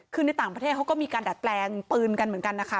คือในต่างประเทศเขาก็มีการดัดแปลงปืนกันเหมือนกันนะคะ